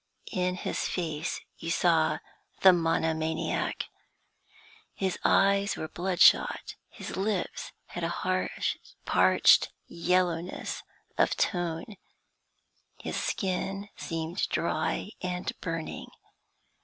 In his face you saw the monomaniac. His eyes were bloodshot; his lips had a parched yellowness of tone; his skin seemed dry and burning.